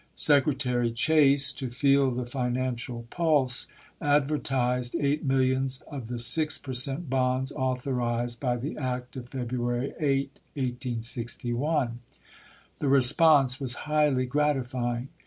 Secretary Chase, to feel the financial pulse, advertised eight millions of the six per cent, bonds authorized by the act of February 8, 1861. The response was highly gratifying.